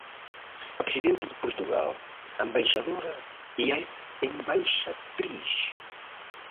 A presidente de Portugal, a embaixadora e a embaixatriz.